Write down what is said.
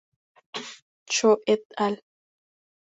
Cho "et" al.